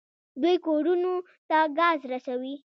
دوی کورونو ته ګاز رسوي.